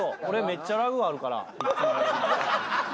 俺めっちゃラグあるから。